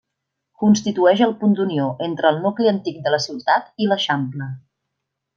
Constitueix el punt d'unió entre el nucli antic de la ciutat i l'Eixample.